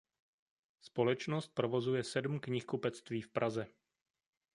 Společnost provozuje sedm knihkupectví v Praze.